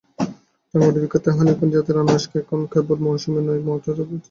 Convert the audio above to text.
রাঙামাটির বিখ্যাত হানিকুইন জাতের আনারস এখন কেবল মৌসুমেই নয়, ফলছে সারা বছর।